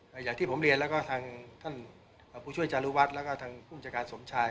อย่างที่ผมเรียนและท่านผู้ช่วยจารุวัสและผู้จัดการสมชาย